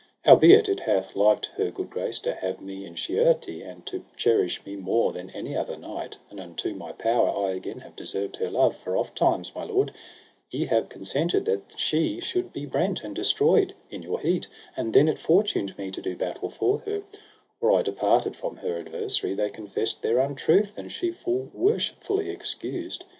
Howbeit it hath liked her good grace to have me in chierte, and to cherish me more than any other knight; and unto my power I again have deserved her love, for ofttimes, my lord, ye have consented that she should be brent and destroyed, in your heat, and then it fortuned me to do battle for her, and or I departed from her adversary they confessed their untruth, and she full worshipfully excused.